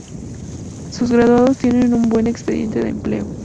Sus graduados tienen un buen expediente de empleo.